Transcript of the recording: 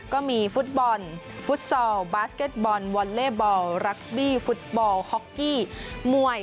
ก็มีฟุตบอลฟุตซอลบาสเก็ตบอลวอลเล่บอลรักบี้ฟุตบอลฮ็อกกี้มวย